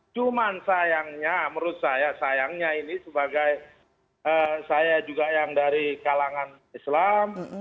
cuman sayangnya menurut saya sayangnya ini sebagai saya juga yang dari kalangan islam